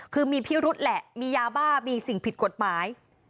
คือมีพิรุษแหละมียาบ้ามีสิ่งผิดกฎหมาย